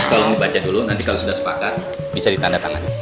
tolong dibaca dulu nanti kalau sudah sepakat bisa ditandatangani